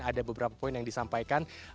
ada beberapa poin yang disampaikan